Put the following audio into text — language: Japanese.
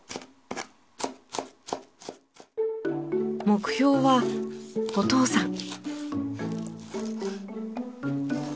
目標はお父さん。